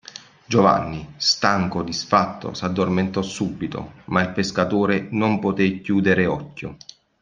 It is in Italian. Giovanni, stanco, disfatto, s'addormentò subito; ma il pescatore non potè chiudere occhio.